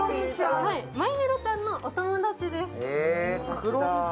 マイメロちゃんのお友達です。